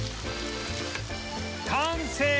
完成！